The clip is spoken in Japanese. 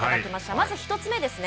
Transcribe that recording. まず一つ目ですね。